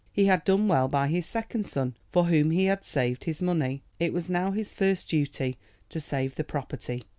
He had done well by his second son, for whom he had saved his money. It was now his first duty to save the property.